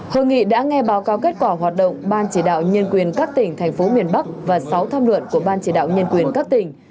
hội nghị đã nghe báo cáo kết quả hoạt động ban chỉ đạo nhân quyền các tỉnh thành phố miền bắc và sáu tham luận của ban chỉ đạo nhân quyền các tỉnh